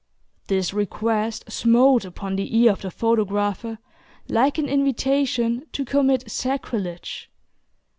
This request smote upon the ear of the photographer like an invitation to commit sacrilege.